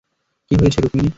কী হয়েছে, রুকমিনি?